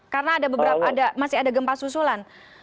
karena ada beberapa masih ada gempa susulan